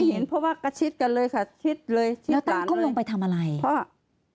เห็นเพราะว่ากระชิดกันเลยค่ะชิดเลยชิดแล้วตั้งเขาลงไปทำอะไรเพราะ